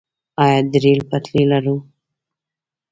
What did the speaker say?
آیا د ریل پټلۍ لرو؟